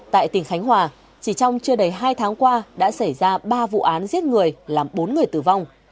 tại tỉnh khánh hòa chỉ trong chưa đầy hai tháng qua đã xảy ra ba vụ án giết người làm bốn người tử vong